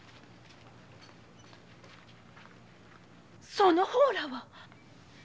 その方らは？